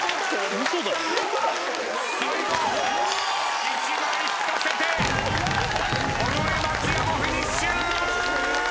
最後１枚引かせて尾上松也もフィニッシュ！